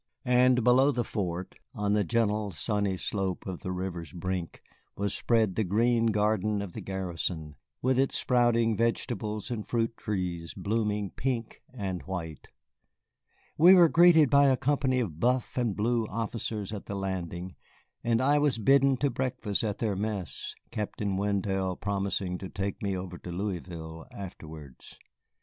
And below the fort, on the gentle sunny slope to the river's brink, was spread the green garden of the garrison, with its sprouting vegetables and fruit trees blooming pink and white. We were greeted by a company of buff and blue officers at the landing, and I was bidden to breakfast at their mess, Captain Wendell promising to take me over to Louisville afterwards.